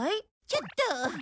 ちょっと。